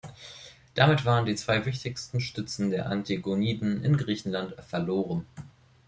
Damit waren die zwei wichtigsten Stützen der Antigoniden in Griechenland verloren.